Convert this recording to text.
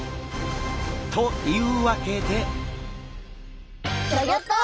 というわけで。